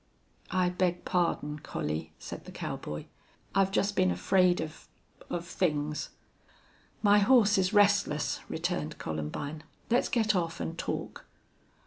"I beg pardon, Collie," said the cowboy. "I've just been afraid of of things." "My horse is restless," returned Columbine. "Let's get off and talk."